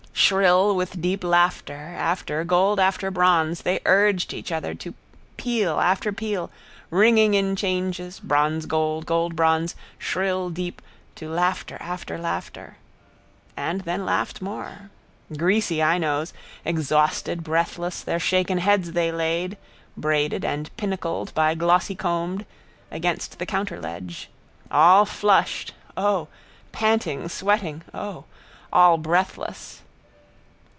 Shrill, with deep laughter, after, gold after bronze, they urged each each to peal after peal, ringing in changes, bronzegold, goldbronze, shrilldeep, to laughter after laughter. And then laughed more. Greasy I knows. Exhausted, breathless, their shaken heads they laid, braided and pinnacled by glossycombed, against the counterledge. All flushed (O!), panting, sweating (O!), all breathless.